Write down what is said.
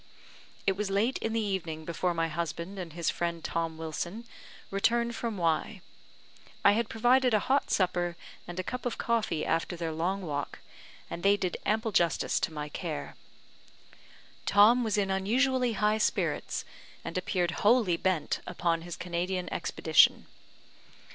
It was late in the evening before my husband and his friend Tom Wilson returned from Y . I had provided a hot supper and a cup of coffee after their long walk, and they did ample justice to my care. Tom was in unusually high spirits, and appeared wholly bent upon his Canadian expedition.